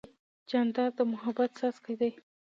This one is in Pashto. جانداد د محبت څاڅکی دی.